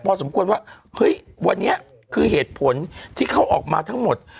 พอสมควรว่าเฮ้ยวันนี้คือเหตุผลที่เขาออกมาทั้งหมด